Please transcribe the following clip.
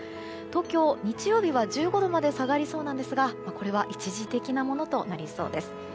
東京、日曜日は１５度まで下がりそうなんですがこれは一時的なものとなりそうです。